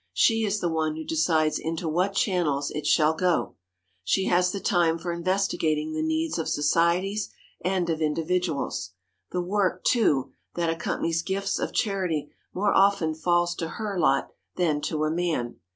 She is the one who decides into what channels it shall go. She has the time for investigating the needs of societies and of individuals. The work, too, that accompanies gifts of charity more often falls to her lot than to a man.